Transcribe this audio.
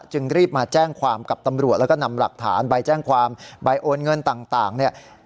จึงรีบมาแจ้งความกับตำรวจแล้วก็นำหลักฐานใบแจ้งความใบโอนเงินต่างเนี่ย